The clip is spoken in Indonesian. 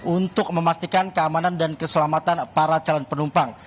untuk memastikan keamanan dan keselamatan para calon penumpang